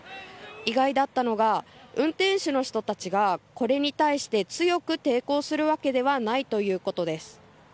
意外だったのが運転手の人たちがこれに対して強く抵抗するわけではないということです。